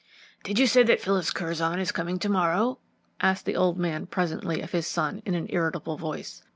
"Did you say that Phyllis Curzon is coming to morrow?" asked the old man presently of his son in an irritable voice.